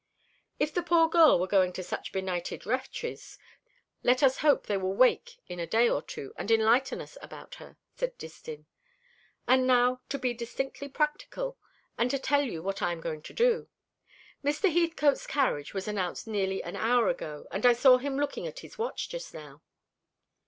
"If the poor girl were going to such benighted wretches, let us hope they will wake in a day or two, and enlighten us about her," said Distin. "And now to be distinctly practical, and to tell you what I am going to do. Mr. Heathcote's carriage was announced nearly an hour ago, and I saw him looking at his watch just now."